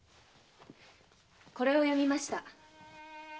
これを読みました。